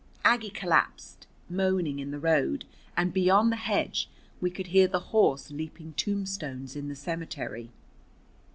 Aggie collapsed, moaning, in the road, and beyond the hedge we could hear the horse leaping tombstones in the cemetery.